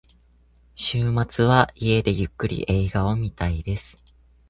週末は家でゆっくり映画を見たいです。